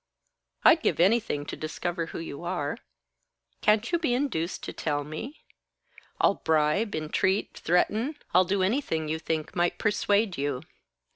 I'd give anything to discover who you are. Can't you be induced to tell me? I'll bribe, entreat, threaten I'll do anything you think might persuade you."